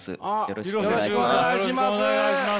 よろしくお願いします。